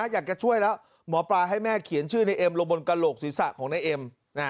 อยากจะช่วยแล้วหมอปลาให้แม่เขียนชื่อในเอ็มลงบนกระโหลกศีรษะของนายเอ็ม